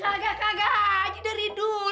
kaga kaga aja dari dulu